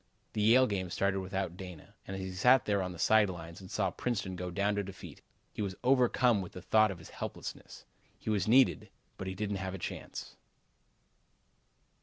The Yale game started without Dana, and as he sat there on the side lines and saw Princeton go down to defeat, he was overcome with the thought of his helplessness. He was needed, but he didn't have a chance.